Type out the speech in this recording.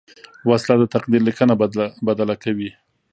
وسله د تقدیر لیکنه بدله کوي